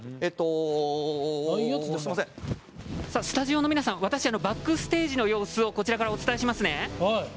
スタジオの皆さんバックステージの様子をこちらからお伝えします。